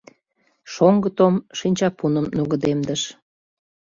Шоҥго Том шинчапуным нугыдемдыш.